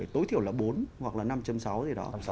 tối thiểu là bốn hoặc là năm sáu gì đó